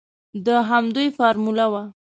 د همدوی فارموله وه.